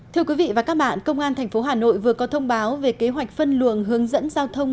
thưa quý vị và các bạn công an tp hà nội vừa có thông báo về kế hoạch phân luồng hướng dẫn giao thông